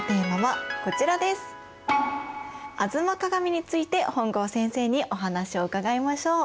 「吾妻鏡」について本郷先生にお話を伺いましょう。